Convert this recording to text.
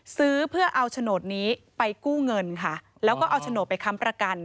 ซื้อเพื่อเอาโฉนดนี้ไปกู้เงินค่ะแล้วก็เอาโฉนดไปค้ำประกัน